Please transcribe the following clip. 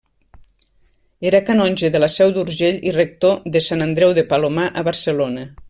Era canonge de la Seu d'Urgell i rector de Sant Andreu de Palomar, a Barcelona.